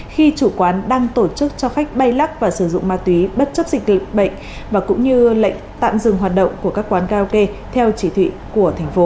khi chủ quán đang tổ chức cho khách bay lắc và sử dụng ma túy bất chấp dịch tị bệnh và cũng như lệnh tạm dừng hoạt động của các quán karaoke theo chỉ thị của thành phố